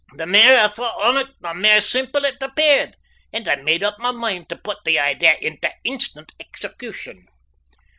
The mair I thocht o't the mair seemple it appeared, and I made up my mind tae put the idea intae instant execution.